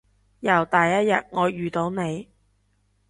由第一日我遇到你